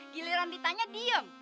giliran ditanya diem